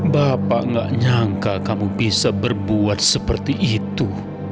bapak gak nyangka kamu bisa berbuat seperti itu